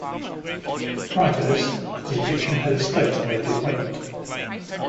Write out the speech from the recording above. Prior to this, the Egyptian head of state made the appointment.